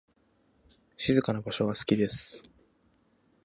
静かな場所が好きです。